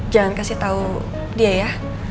jangan kasih tahu dia ya